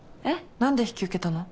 何で引き受けたの？